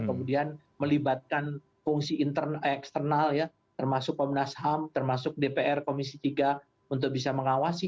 kemudian melibatkan fungsi eksternal ya termasuk komnas ham termasuk dpr komisi tiga untuk bisa mengawasi